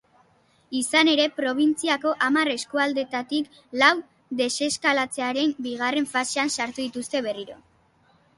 Izan ere, probintziako hamar eskualdetatik lau deseskalatzearen bigarren fasean sartu dituzte berriro.